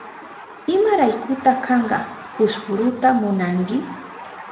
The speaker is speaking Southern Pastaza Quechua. ¿Imaraykuta kanka fusfuruta munanki?